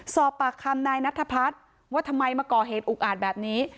สอบปากคำนายนัทพัฒน์ว่าทำไมมาก่อเหตุอุกอาจแบบนี้